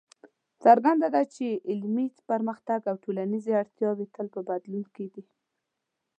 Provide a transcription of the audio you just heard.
څرګنده ده چې علمي پرمختګ او ټولنیزې اړتیاوې تل په بدلون کې دي.